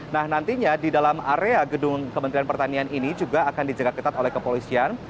nah nantinya di dalam area gedung kementerian pertanian ini juga akan dijaga ketat oleh kepolisian